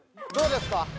「どうですか？